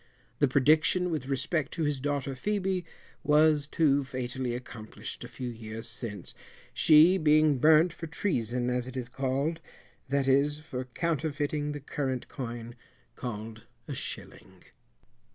The prediction with respect to his daughter Phœbe was too fatally accomplished a few years since, she being burnt for treason as it is called, that is, for counterfeiting the current coin called a shilling.